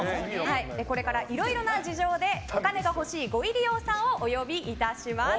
これからいろいろな事情でお金が欲しいご入り用さんをお呼びいたします。